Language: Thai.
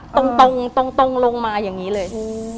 ตรงตรงลงมาอย่างนี้เลย